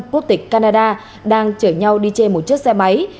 quốc tịch canada đang chở nhau đi trên một chiếc xe máy